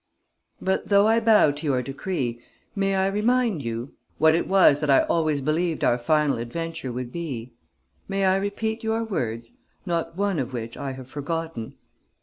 "But, though I bow to your decree, may I remind you what it was that I always believed our final adventure would be? May I repeat your words, not one of which I have forgotten?